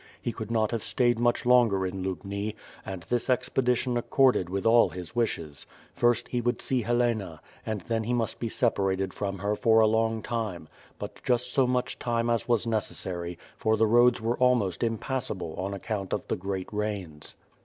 He could not have stayed much longer in Lubni; and this expedition accorded with all his wishes First, he would see Helena, and then he must be separated from her for a long time; but just so much time was neces sary, for the roads were almost impassible on account of the great rains.